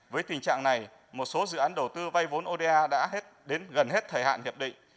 với tình trạng này một số dự án đầu tư vay vốn oda đã đến gần hết thời hạn hiệp định